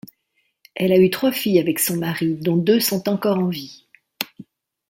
Elle a eu trois filles avec son mari dont deux sont encore en vie.